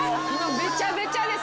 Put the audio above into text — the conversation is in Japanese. べちゃべちゃです